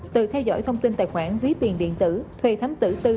từ theo dõi thông tin tài khoản ví tiền điện tử thuê thám tử tư